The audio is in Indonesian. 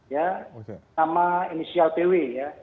ya nama inisial tw ya